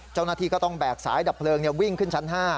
เจ้าหน้าที่ก็ต้องแบกสายดับเพลิงวิ่งขึ้นชั้น๕